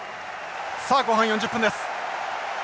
さあ後半４０分です。